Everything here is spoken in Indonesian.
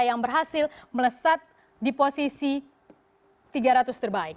yang berhasil melesat di posisi tiga ratus terbaik